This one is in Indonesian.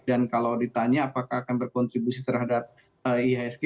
dan kalau ditanya apakah akan berkontribusi terhadap ihsg